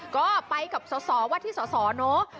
ก่อไปกับวัฒน์ที่สอสเนาะ